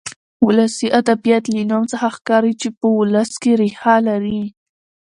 ولسي ادبيات له نوم څخه ښکاري چې په ولس کې ريښه لري.